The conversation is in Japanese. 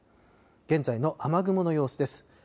現在の雨雲の様子です。